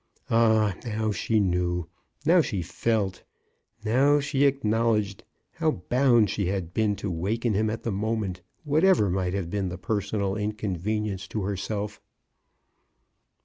Ah, now she knew, now she felt, now she acknowledged, how bound she had been to awaken him at the moment, whatever might have been the personal inconvenience to her self